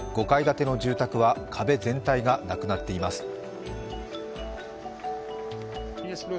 ５階建ての住宅は壁全体がなくなっています。